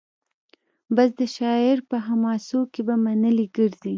بس د شاعر په حماسو کي به منلي ګرځي